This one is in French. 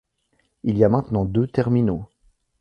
Il y a maintenant deux terminaux.